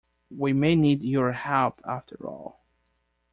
We may need your help after all.